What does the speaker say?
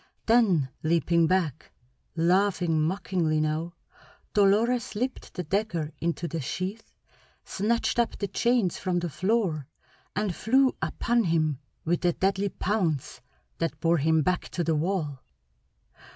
Then leaping back, laughing mockingly now, Dolores slipped the dagger into the sheath, snatched up the chains from the floor, and flew upon him with a deadly pounce that bore him back to the wall.